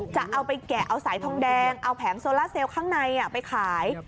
จะเอาไปแกะเอาสายทองแดงเอาแผงโซล่าเซลล์ข้างในไปขาย